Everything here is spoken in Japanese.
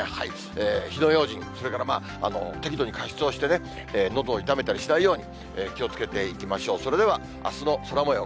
火の用心、それから適度に加湿をしてね、のどを痛めたりしないように、気をつけていきましょう。